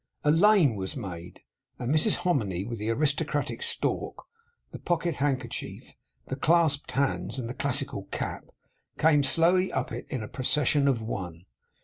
A lane was made; and Mrs Hominy, with the aristocratic stalk, the pocket handkerchief, the clasped hands, and the classical cap, came slowly up it, in a procession of one.